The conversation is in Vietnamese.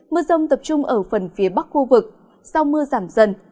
mưa rông tập trung ở phần phía bắc khu vực sau mưa giảm dần